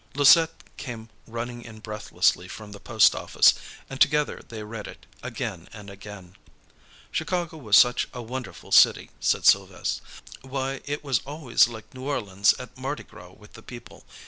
Louisette came running in breathlessly from the post office, and together they read it again and again. Chicago was such a wonderful city, said Sylves'. Why, it was always like New Orleans at Mardi Gras with the people.